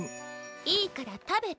いいから食べて！